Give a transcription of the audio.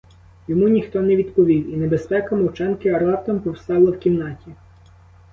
Йому ніхто не відповів, і небезпека мовчанки раптом повстала в кімнаті.